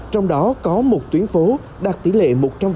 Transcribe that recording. trong đó có một tuyến phố đạt tỷ lệ một trăm linh